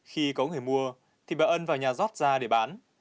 khi có người mua thì bà ân vào nhà rót ra để bán